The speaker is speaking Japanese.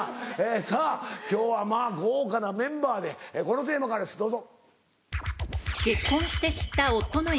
さぁ今日は豪華なメンバーでこのテーマからですどうぞ。